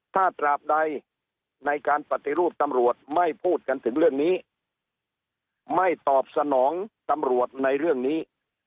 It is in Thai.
ถ้าตราบใดในการปฏิรูปตำรวจไม่พูดกันถึงเรื่องนี้ไม่ตอบสนองตำรวจในเรื่องนี้